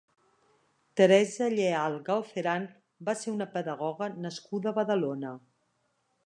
Teresa Lleal Galceran va ser una pedagoga nascuda a Badalona.